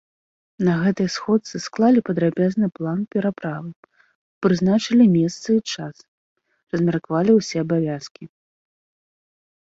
На гэтай сходцы склалі падрабязны план пераправы, прызначылі месца і час, размеркавалі ўсе абавязкі.